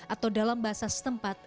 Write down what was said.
atau dalam bahasa setempat